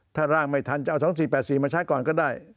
ถ้าร่างไม่ทันจะเอา๒๔๘๔มาใช้ก่อนก็ได้